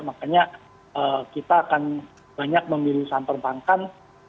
makanya kita akan banyak memilih saham perbankan